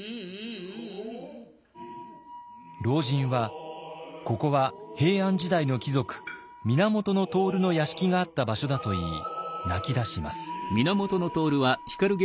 老人はここは平安時代の貴族源融の屋敷があった場所だと言い泣きだします。